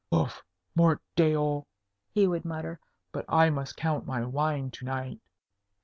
"Ouf! Mort d'aieul!" he would mutter. "But I must count my wine to night."